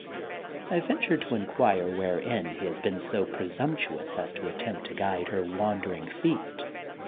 '' I venture to inquire wherein he has been so presumptuous as to attempt to guide her wandering feet.